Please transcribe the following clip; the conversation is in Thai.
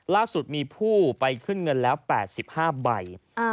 ล่าสุดมีผู้ไปขึ้นเงินแล้ว๘๕ใบ